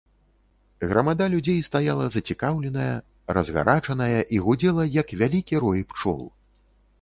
Грамада людзей стаяла зацікаўленая, разгарачаная і гудзела, як вялікі рой пчол.